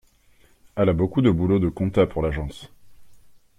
Elle a beaucoup de boulot de compta pour l'agence.